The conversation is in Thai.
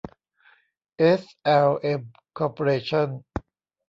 เอส แอล เอ็ม คอร์ปอเรชั่น